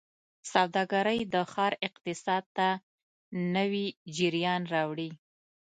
سوداګرۍ د ښار اقتصاد ته نوي جریان راوړي.